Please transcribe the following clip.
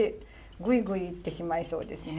グイグイいってしまいそうですね。